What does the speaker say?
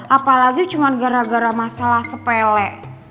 apalagi cuma gara gara masalah sepele